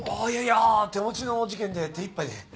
いやいやいや手持ちの事件で手いっぱいで。